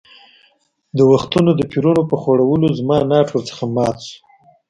د وختونو د پېرونو په خوړلو زما ناټ ور څخه مات شو.